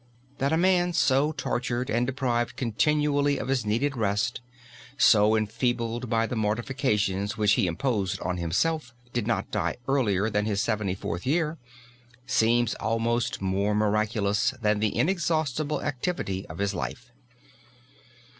That a man so tortured and deprived continually of his needed rest, so enfeebled by the mortifications which he imposed on himself, did not die earlier than his seventy fourth year, seems almost more miraculous than the inexhaustible activity of his life.